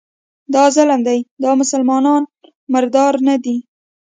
دا ظلم دی، دا مسلمانان مردار نه دي